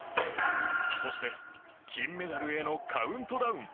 そして金メダルへのカウントダウン。